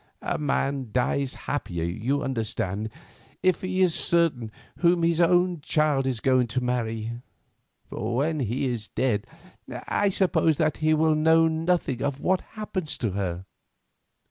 A man dies happier, you understand, if he is certain whom his only child is going to marry; for when he is dead I suppose that he will know nothing of what happens to her.